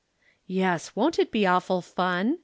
"Yes, won't it be awful fun?"